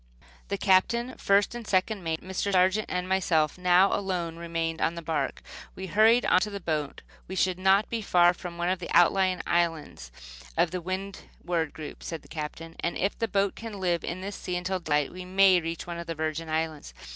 The Captain, first and second mate, Mr. Sargent and myself now alone remained on the bark. We hurried into the boat. "We should not be far from one of the outlying islands of the Windward group," said the captain; "and if the boat can live in this sea until daylight we may reach one of the Virgin Islands."